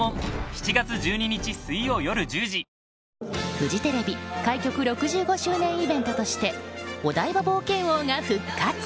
フジテレビ開局６５周年イベントとしてお台場冒険王が復活。